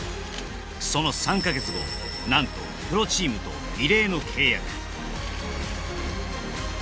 その３か月後何とプロチームと異例の契約